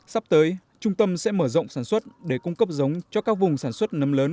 sắp tới trung tâm sẽ mở rộng sản xuất để cung cấp giống cho các vùng sản xuất nấm lớn